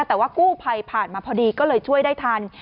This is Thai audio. แต่ว่ากู้ภัยผ่านมาพอดีก็เลยช่วยได้ทัน